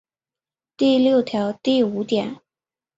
第六条第五点